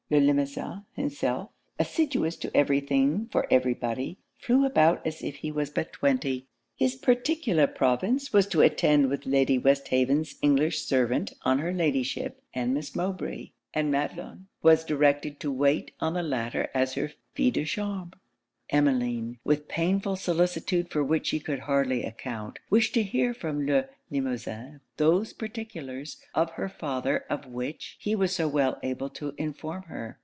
Le Limosin himself, assiduous to do every thing for every body, flew about as if he was but twenty. His particular province was to attend with Lady Westhaven's English servant on her Ladyship and Miss Mowbray; and Madelon was directed to wait on the latter as her fille de chambre. Emmeline, with painful solicitude for which she could hardly account, wished to hear from Le Limosin those particulars of her father of which he was so well able to inform her.